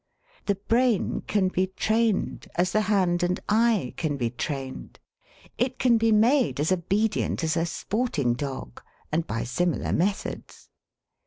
The brain can be trained, as the hand and eye can be trained; it can be made as obedient as a sporting dog, and by similar methods.